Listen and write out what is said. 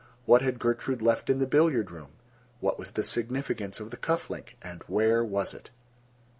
What had Gertrude left in the billiard room? What was the significance of the cuff link, and where was it?